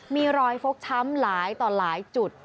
มีรอยฟกช้ำหลายต่อหลายจุด